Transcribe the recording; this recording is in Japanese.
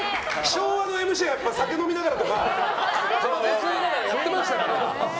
昭和のＭＣはやっぱ酒飲みながらとかやってましたから。